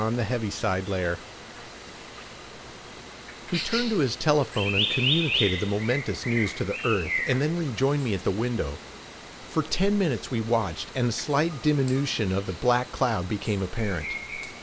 He turned to his telephone and communicated the momentous news to the earth and then rejoined me at the window. For ten minutes we watched and a slight diminution of the black cloud became apparent.